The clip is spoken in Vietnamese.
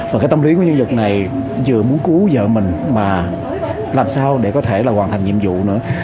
và cái tâm lý của nhân dân này vừa muốn cứu vợ mình mà làm sao để có thể là hoàn thành nhiệm vụ nữa